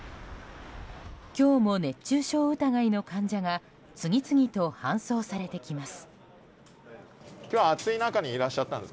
今日も熱中症疑いの患者が次々と搬送されてきます。